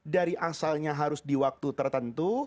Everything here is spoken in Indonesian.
dari asalnya harus di waktu tertentu